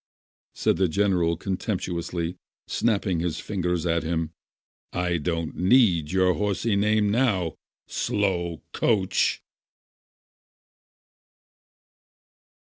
said the general contemptuously, snapping his fingers at him. "I don't need your horsey name now ! Slow coach